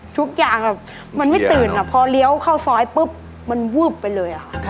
ทุกอย่างมันไม่ตื่นพอเลี้ยวเข้าซอยปุ๊บมันวืบไปเลย